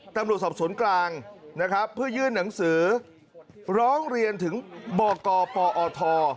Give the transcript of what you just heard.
ตำรวจสอบสวนกลางนะครับเพื่อยื่นหนังสือร้องเรียนถึงบกปอท